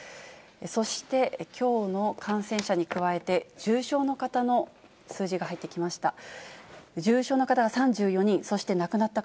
そして、きょうの感染者に加えて、重症の方の数字が入ってきました。